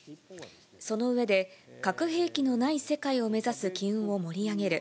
その上で、核兵器のない世界を目指す機運を盛り上げる。